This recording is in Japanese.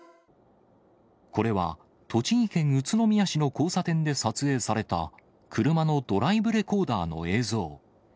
これは栃木県宇都宮市の交差点で撮影された、車のドライブレコーダーの映像。